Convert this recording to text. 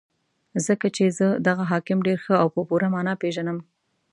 ځکه چې زه دغه حاکم ډېر ښه او په پوره مانا پېژنم.